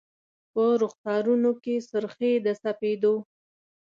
په رخسارونو کي سر خې د سپید و